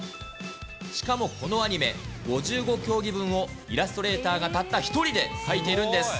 しかもこのアニメ、５５競技分をイラストレーターがたった１人で描いているんです。